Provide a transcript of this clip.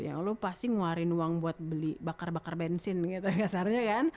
ya lo pasti ngeluarin uang buat beli bakar bakar bensin gitu kasarnya kan